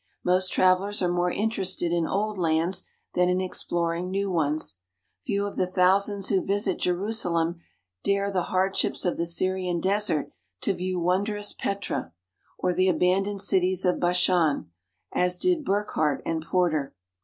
Most travelers are more interested in old lands than in exploring new ones. Few of the thousands who visit Jerusalem dare the hardships of the Syrian desert to view wondrous Petra, or the abandoned cities of Bashan, as did Burckhardt and Porter.